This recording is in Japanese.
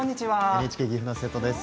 ＮＨＫ岐阜の瀬戸です。